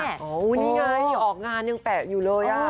นี่ไงออกงานยังแปะอยู่เลย